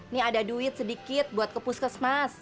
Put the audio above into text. nih ada duit sedikit buat ke puskes mas